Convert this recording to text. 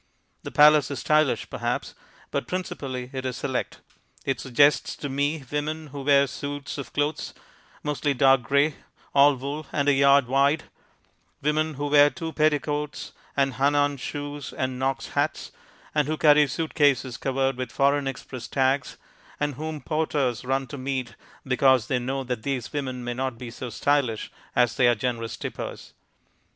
The Palace is stylish, perhaps, but principally it is select. It suggests to me women who wear suits of clothes, mostly dark gray, all wool and a yard wide, women who wear two petticoats and Hanan shoes and Knox hats and who carry suit cases covered with foreign express tags, and whom porters run to meet because they know that these women may not be so stylish as they are generous tippers.